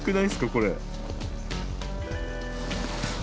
これ。